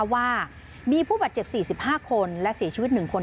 ว่ามีผู้บาดเจ็บ๔๕คนและเสียชีวิต๑คน